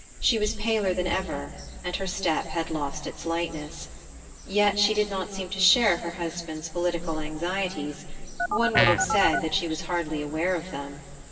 She was paler than ever, and her step had lost its lightness. Yet she did not seem to share her husband's political anxieties; one would have said that she was hardly aware of them.